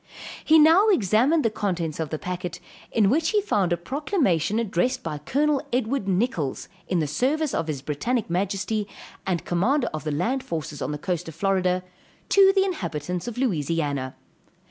He now examined the contents of the packet, in which he found a proclamation addressed by Col. Edward Nichalls, in the service of his Brittanic Majesty, and commander of the land forces on the coast of Florida, to the inhabitants of Louisiana.